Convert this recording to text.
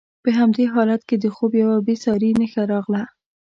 په همدې حالت کې د خوب یوه بې ساري نښه راغله.